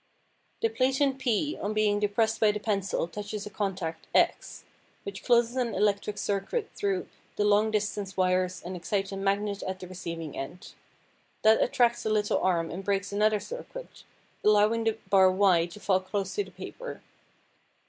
The platen P on being depressed by the pencil touches a contact, X, which closes an electric circuit through the long distance wires and excites a magnet at the receiving end. That attracts a little arm and breaks another circuit, allowing the bar Y to fall close to the paper.